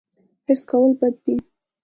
حرص کول بد دي